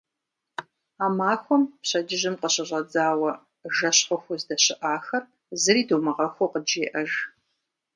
А махуэм пщэдджыжьым къыщыщӏэдзауэ жэщ хъуху уздэщыӏахэр, зыри думыгъэхуу, къыджеӏэж.